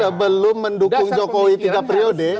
sebelum mendukung jokowi tiga periode